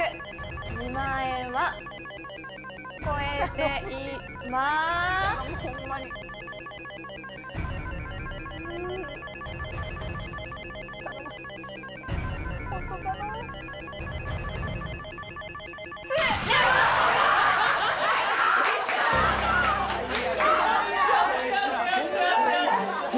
２万円は超えています！